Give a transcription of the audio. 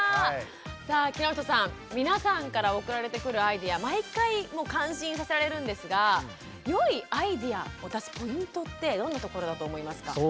さあ木下さん皆さんから送られてくるアイデア毎回感心させられるんですが良いアイデアを出すポイントってどんなところだと思いますか？